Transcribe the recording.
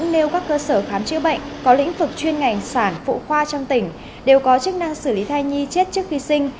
đều có chức năng xử lý thai nhi chết trước khi sinh